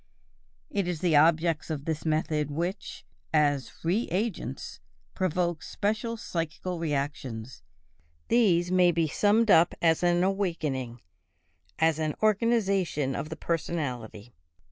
It is the objects of the method which, as "re agents," provoke special psychical reactions; these may be summed up as an awakening, as an organization of the personality.